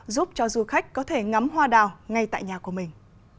giúp cho du khách có thể ngắm hoa đào ngay tại nhà của mình